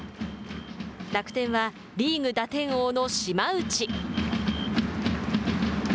楽天はリーグ打点王の島内。